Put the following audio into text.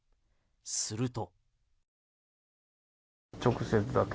すると。